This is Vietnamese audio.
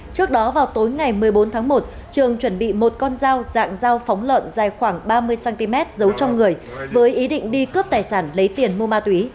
trước đó vào tối ngày một mươi bốn tháng một trường chuẩn bị một con dao dạng dao phóng lợn dài khoảng ba mươi cm giấu trong người với ý định đi cướp tài sản lấy tiền mua ma túy